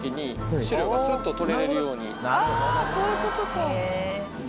あそういうことか。